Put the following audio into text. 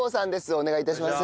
お願い致します。